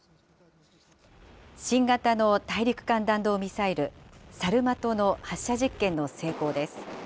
新型の大陸間弾道ミサイル、サルマトの発射実験の成功です。